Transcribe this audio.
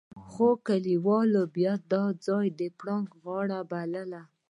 خو کليوالو بيا دا ځای پړانګ غار باله.